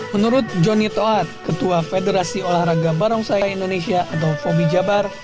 menurut jonny toat ketua federasi olahraga barongsai indonesia atau fobi jabar